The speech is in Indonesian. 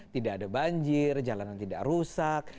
tidak ada banjir jalanan tidak rusak